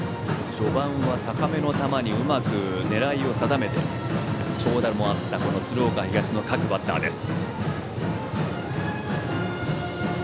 序盤は高めの球にうまく狙いを定めて長打もあった鶴岡東の各バッターです。